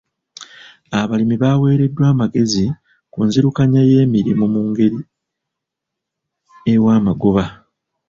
Abalimi baaweereddwa amagezi ku nzirukanya y'emirimu mu ngeri ewa amagoba.